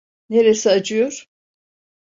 Neresi acıyor?